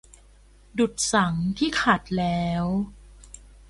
ดุจสังข์ที่ขัดแล้ว